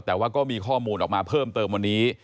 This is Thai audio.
แต่ว่าก็มีข้อมูลออกมาเพิ่มเติมวันนี้